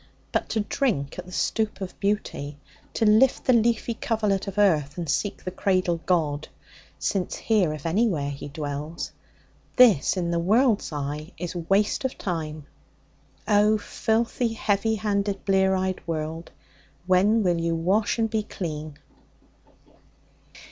But to drink at the stoup of beauty; to lift the leafy coverlet of earth and seek the cradled God (since here, if anywhere, He dwells), this in the world's eye is waste of time. Oh, filthy, heavy handed, blear eyed world, when will you wash and be clean?